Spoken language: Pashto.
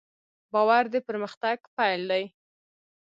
باور د پرمختګ پیل دی.